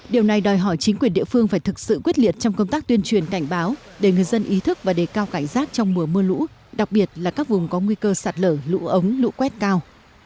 điều này đòi hỏi chính quyền địa phương phải thực sự quyết liệt trong công tác tuyên truyền cảnh báo để người dân ý thức và đề cao cảnh giác trong mùa mưa lũ đặc biệt là các vùng có nguy cơ sạt lở lũ ống lũ quét cao